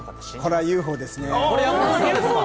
これはＵＦＯですね。